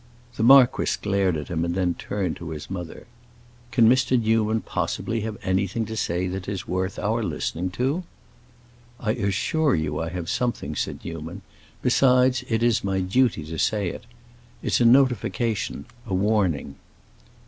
The marquis glared at him and then turned to his mother. "Can Mr. Newman possibly have anything to say that is worth our listening to?" "I assure you I have something," said Newman, "besides, it is my duty to say it. It's a notification—a warning."